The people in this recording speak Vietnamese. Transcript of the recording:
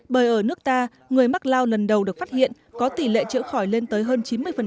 bởi ở nước ta người mắc lao lần đầu được phát hiện có tỷ lệ chữa khỏi lên tới hơn chín mươi